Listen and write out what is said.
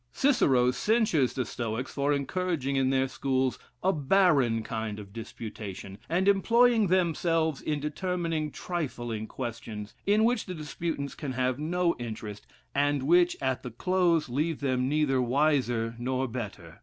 Cicero censures the Stoics for encouraging in their schools a barren kind of disputation, and employing themselves in determining trifling questions, in which the disputants can have no interest, and which, at the close, leave them neither wiser nor better.